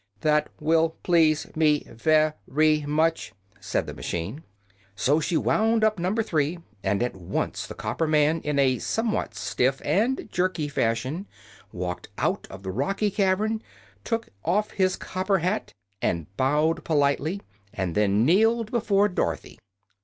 "That will please me ve ry much," said the machine. So she wound up Number Three, and at once the copper man in a somewhat stiff and jerky fashion walked out of the rocky cavern, took off his copper hat and bowed politely, and then kneeled before Dorothy.